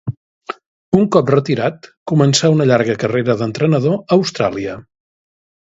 Un cop retirat començà una llarga carrera d'entrenador a Austràlia.